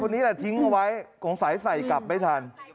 ตายคนนี้ล่ะทิ้งเอาไว้คงใส่ใส่กลับไม่ทัน